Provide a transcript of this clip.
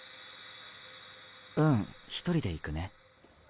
うん１人で行くね。